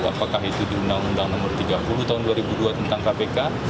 apakah itu di undang undang nomor tiga puluh tahun dua ribu dua tentang kpk